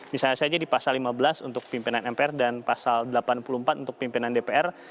misalnya saja di pasal lima belas untuk pimpinan mpr dan pasal delapan puluh empat untuk pimpinan dpr